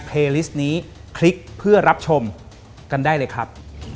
โปรดติดตามตอนต่อไป